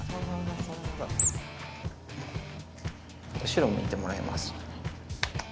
後ろ向いてもらいます。